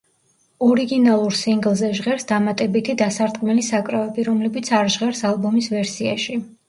ორიგინალურ სინგლზე ჟღერს დამატებითი დასარტყმელი საკრავები, რომლებიც არ ჟღერს ალბომის ვერსიაში.